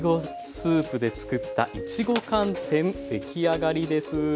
スープでつくったいちご寒天出来上がりです。